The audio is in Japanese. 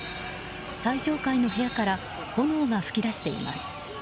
最上階の部屋から炎が噴き出しています。